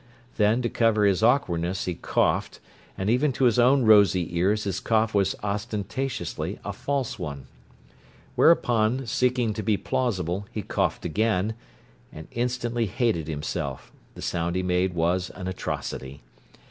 Then, to cover his awkwardness, he coughed, and even to his own rosy ears his cough was ostentatiously a false one. Whereupon, seeking to be plausible, he coughed again, and instantly hated himself: the sound he made was an atrocity.